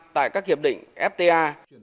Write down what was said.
tại các hiệp định fta